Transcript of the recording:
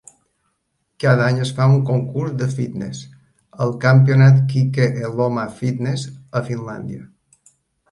Cada any es fa un concurs de fitness, el Campionat Kike Elomaa Fitness, a Finlàndia.